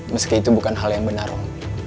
meski itu bukan hal yang benar om